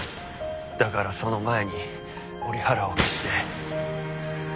だからその前に折原を消して。